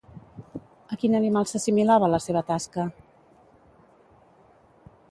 A quin animal s'assimilava la seva tasca?